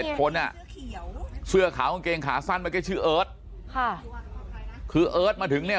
เช่าบ้านทางนั้นก็เกาะเจิงนะฮะ